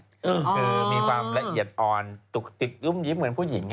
คือมีความละเอียดอ่อนตุกติกรุ่มยิ้มเหมือนผู้หญิง